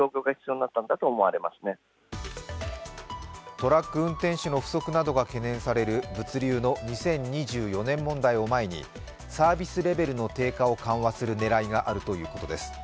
トラック運転手の不足などが懸念される物流の２０２４年問題を前にサービスレベルの低下を緩和する狙いがあるということです。